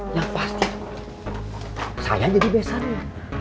yang pasti saya jadi besannya